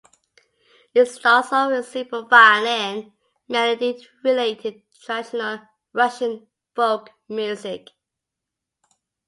It starts off with a simple violin melody related to traditional Russian folk music.